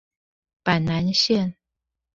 板南線